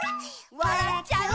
「わらっちゃう」